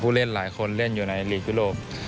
เล่นหลายคนเล่นอยู่ในลีกยุโรป